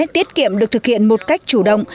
tiết kiệm được thực hiện một cách chủ động